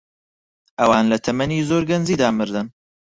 ئەوان لە تەمەنی زۆر گەنجیدا مردن.